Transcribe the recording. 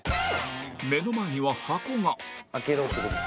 目の前には箱が